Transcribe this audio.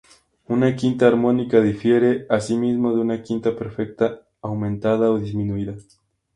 Una quinta armónica difiere así mismo de una quinta perfecta, aumentada o disminuida.